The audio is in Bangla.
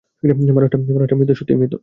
মানুষটা মৃত সত্যিই মৃত।